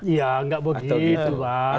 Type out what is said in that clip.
iya nggak begitu lah